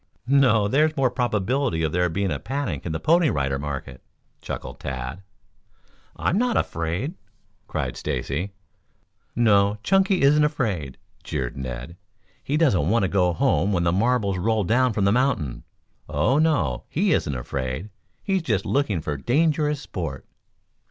"No, there's more probability of there being a panic in the Pony Rider market," chuckled Tad. "I'm not afraid," cried Stacy. "No, Chunky isn't afraid," jeered Ned. "He doesn't want to go home when the marbles roll down from the mountain! Oh, no, he isn't afraid! He's just looking for dangerous sport."